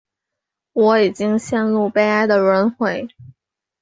我已经陷入悲哀的轮回